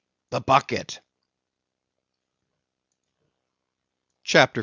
the bucket!" CHAPTER 44.